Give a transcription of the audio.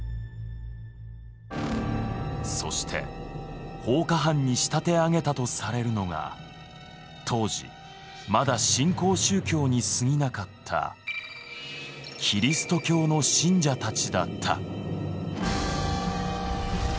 そして放火犯に仕立て上げたとされるのが当時まだ新興宗教にすぎなかったキリスト教の信者たちだった。